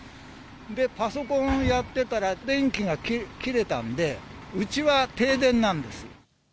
で、パソコンやってたら電気が切れたんで、うちは停電なんです。